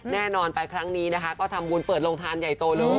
แน่นอนไปครั้งนี้นะคะก็ทำบุญเปิดโรงทานใหญ่โตเลย